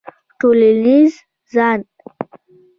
ټولنیز ځان